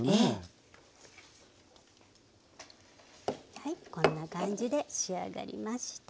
はいこんな感じで仕上がりました。